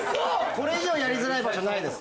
これ以上やりづらい場所ないです